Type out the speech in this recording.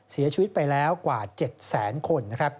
เสียชีวิตไปแล้วกว่า๗๐๐๐๐๐คน